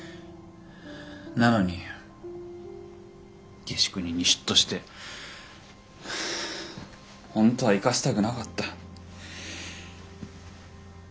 なのに下宿人に嫉妬して本当は行かせたくなかった。